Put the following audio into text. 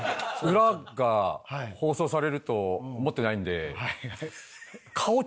裏が放送されると思ってないんでせやな。